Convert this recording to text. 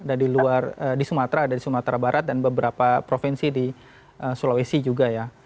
ada di luar di sumatera ada di sumatera barat dan beberapa provinsi di sulawesi juga ya